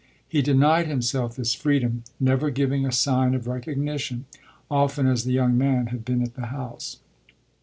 He denied himself this freedom, never giving a sign of recognition, often as the young man had been at the house.